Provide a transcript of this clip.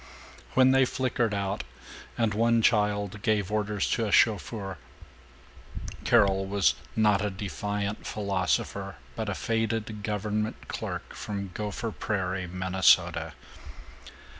When they flickered out and one child gave orders to a chauffeur, Carol was not a defiant philosopher but a faded government clerk from Gopher Prairie, Minnesota.